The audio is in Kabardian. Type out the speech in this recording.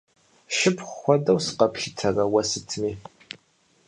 Шыпхъу хуэдэу сыкъэплъытэрэ уэ сытми?